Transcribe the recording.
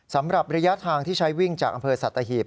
สำหรับระยะทางที่ใช้วิ่งจากอำเภอสัตหีบ